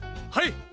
はい！